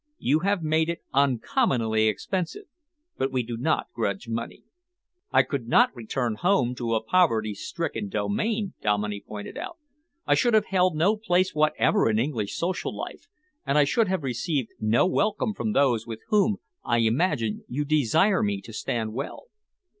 You have made it uncommonly expensive, but we do not grudge money." "I could not return home to a poverty stricken domain," Dominey pointed out. "I should have held no place whatever in English social life, and I should have received no welcome from those with whom I imagine you desire me to stand well."